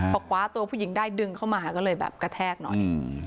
พอคว้าตัวผู้หญิงได้ดึงเข้ามาก็เลยแบบกระแทกหน่อย